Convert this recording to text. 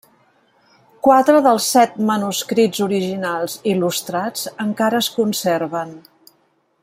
Quatre dels set manuscrits originals il·lustrats encara es conserven.